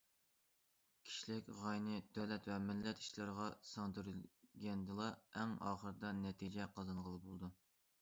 كىشىلىك غايىنى دۆلەت ۋە مىللەت ئىشلىرىغا سىڭدۈرگەندىلا، ئەڭ ئاخىرىدا نەتىجە قازانغىلى بولىدۇ.